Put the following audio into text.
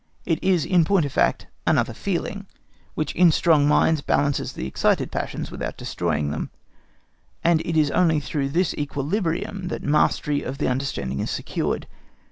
It is, in point of fact, another feeling, which in strong minds balances the excited passions without destroying them; and it is only through this equilibrium that the mastery of the understanding is secured.